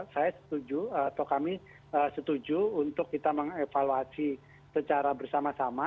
saya setuju atau kami setuju untuk kita mengevaluasi secara bersama sama